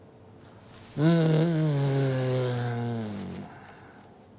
うん。